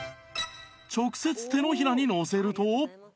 直接手のひらにのせると